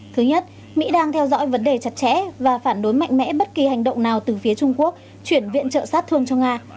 thứ nhất mỹ đang theo dõi vấn đề chặt chẽ và phản đối mạnh mẽ bất kỳ hành động nào từ phía trung quốc chuyển viện trợ sát thương cho nga